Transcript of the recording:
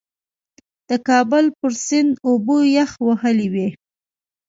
د کابل پر سیند اوبه یخ وهلې وې.